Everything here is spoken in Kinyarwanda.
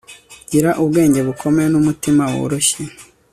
gira ubwenge bukomeye n'umutima woroshye